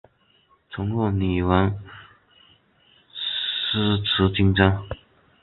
曾获女王诗词金章。